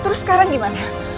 terus sekarang gimana